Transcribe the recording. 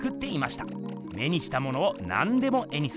目にしたものをなんでも絵にする。